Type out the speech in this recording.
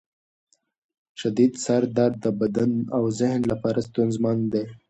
شدید سر درد د بدن او ذهن لپاره ستونزمن دی.